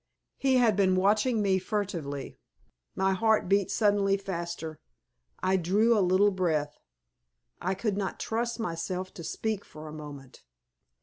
He had been watching me furtively. My heart beat suddenly faster. I drew a little breath, I could not trust myself to speak for a moment.